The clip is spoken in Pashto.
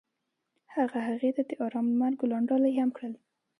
هغه هغې ته د آرام لمر ګلان ډالۍ هم کړل.